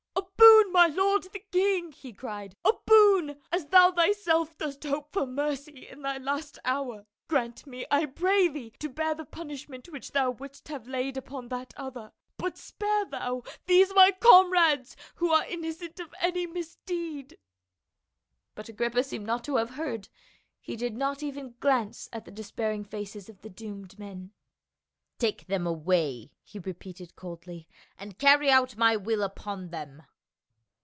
" A boon, my lord the king !" he cried, " a boon ! as thou thyself dost hope for mercy in thy last hour. Grant me, I pray thee, to bear the punish ment which thou wouldst have laid upon that other, but spare thou these my comrades who are innocent of any misdeed." But Agrippa seemed not to have heard ; he did not even glance at the despairing faces of the doomed men. "Take them away," he repeated coldly, "and carry out my will upon them."